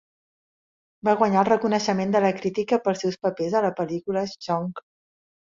Es va guanyar el reconeixement de la crítica pel seus papers a la pel·lícula "Schtonk!".